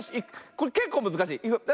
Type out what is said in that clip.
これけっこうむずかしい。